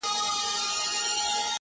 لښکر به څنگه بری راوړي له دې جنگه څخه _